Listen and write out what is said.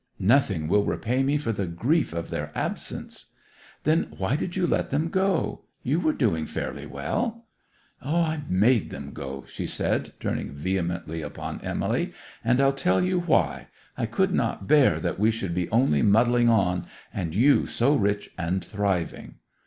'Nothing will repay me for the grief of their absence!' 'Then why did you let them go? You were doing fairly well.' 'I made them go!' she said, turning vehemently upon Emily. 'And I'll tell you why! I could not bear that we should be only muddling on, and you so rich and thriving!